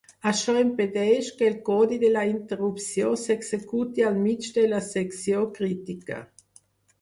Això impedeix que el codi de la interrupció s'executi al mig de la secció crítica.